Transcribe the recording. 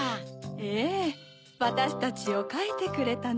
ええわたしたちをかいてくれたの。